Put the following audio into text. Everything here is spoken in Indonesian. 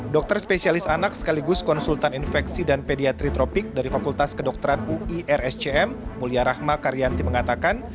dokter spesialis anak sekaligus konsultan infeksi dan pediatri tropik dari fakultas kedokteran uirscm mulia rahma karyanti mengatakan